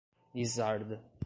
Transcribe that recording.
Lizarda